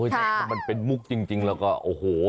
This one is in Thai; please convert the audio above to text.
ถ้ามันเป็นมุกจริงแล้วก็โอ้โห